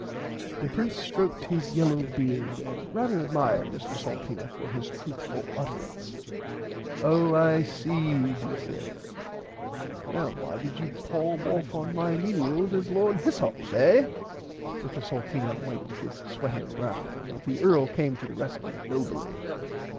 The Prince stroked his yellow beard and rarther admired Mr Salteena for his truthful utterance Oh I see he said well why did you palm off on my menials as Lord Hyssops eh Mr Salteena wiped his swetting brow but [Pg 72] the earl came to the rescue nobly.